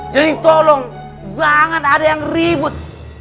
jadi tolong jangan ada yang ribut